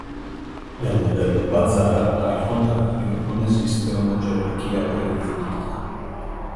Nel modello bazar, al contrario, non esiste una gerarchia predefinita.